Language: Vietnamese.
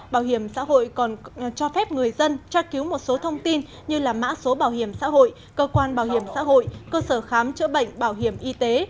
bảo hiểm xã hội còn cho phép người dân tra cứu một số thông tin như mã số bảo hiểm xã hội cơ quan bảo hiểm xã hội cơ sở khám chữa bệnh bảo hiểm y tế